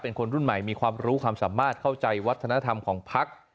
เป็นคนรุ่นใหม่มีความรู้ความสามารถเข้าใจวัฒนธรรมของพัก